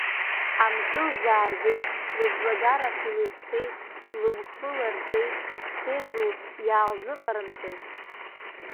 Амҿы лзааргеит, аӡлагарахь илызцеит, лымхы ларҵеит, седру, иаалзыҟарымҵаз.